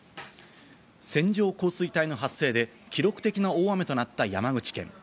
線状降水帯の発生で記録的な大雨となった山口県。